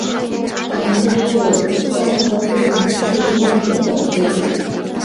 银珠是豆科盾柱木属的植物。